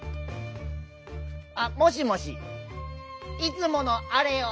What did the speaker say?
あもしもしいつもの「あれ」を